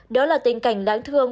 đó là tình cảnh đáng thương